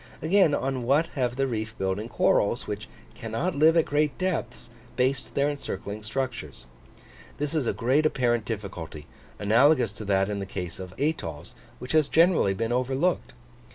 Again, on what have the reef building corals, which cannot live at great depths, based their encircling structures? This is a great apparent difficulty, analogous to that in the case of atolls, which has generally been overlooked.